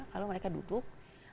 lalu mereka duduk